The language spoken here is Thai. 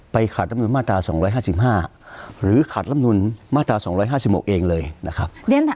ขัดลำนูนมาตรา๒๕๕หรือขัดลำนูลมาตรา๒๕๖เองเลยนะครับ